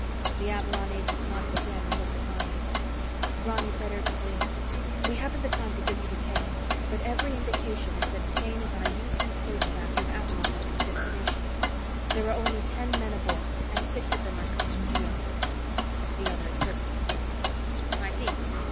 The Avalon agent nodded again, and looked at Ronny. Ronny said urgently, "We haven't the time to give you details, but every indication is that Paine is on a UP spacecraft with Avalon as its destination. There are only ten men aboard, and six of them are Section G operatives." The other pursed his lips. "I see.